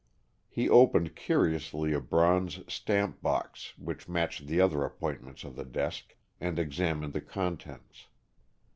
He opened curiously a bronze stamp box which matched the other appointments of the desk, and examined the contents.